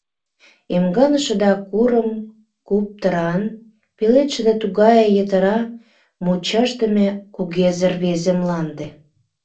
Эмганыше да курым куптыран, Пеледше да тугае йытыра, Мучашдыме кугезе рвезе Мланде!